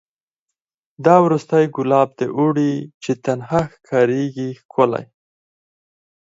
دا وروستی ګلاب د اوړي چي تنها ښکاریږي ښکلی